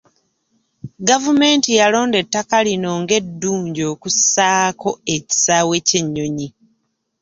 Gavumenti yalonda ettaka lino ng'eddungi okussaako ekisaawe ky'ennyonyi.